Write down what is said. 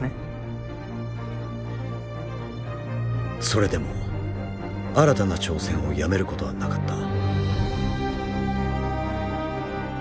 それでも新たな挑戦をやめることはなかった。